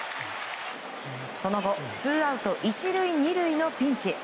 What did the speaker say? その後ツーアウト１塁２塁のピンチ。